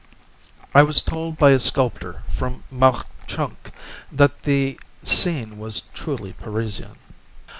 I was told by a sculptor from Mauch Chunk that the scene was truly Parisian.